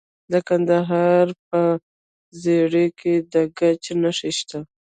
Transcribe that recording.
د کندهار په ژیړۍ کې د ګچ نښې شته.